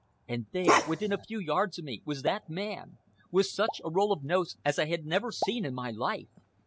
And there, within a few yards of me, was that man, with such a roll of notes as I had never seen in my life.